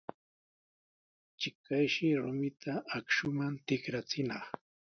Achkayshi rumita akshuman tikrachinaq.